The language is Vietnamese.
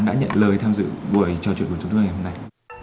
đã nhận lời tham dự buổi trò chuyện của chúng tôi ngày hôm nay